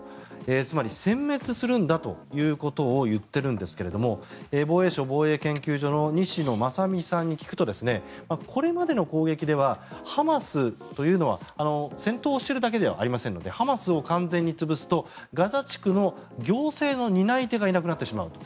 つまりせん滅するんだということを言っているんですが防衛省防衛研究所の西野正巳さんに聞くとこれまでの攻撃ではハマスというのは戦闘しているだけではありませんのでハマスを完全に潰すとガザ地区の行政の担い手がいなくなってしまうと。